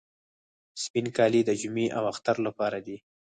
سپین کالي د جمعې او اختر لپاره دي.